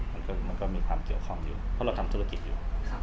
มันก็มีความเกี่ยวข้องอยู่เพราะเราทำธุรกิจอยู่